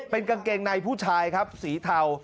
เป็นกางเกงในผู้ชายครับสีเทา